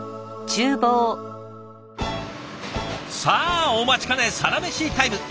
さあお待ちかねサラメシタイム。